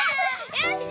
やった！